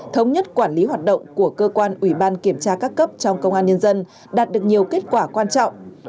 thống nhất quản lý hoạt động của cơ quan ủy ban kiểm tra các cấp trong công an nhân dân đạt được nhiều kết quả quan trọng